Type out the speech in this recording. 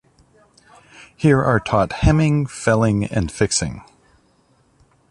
Here are taught hemming, felling, and fixing.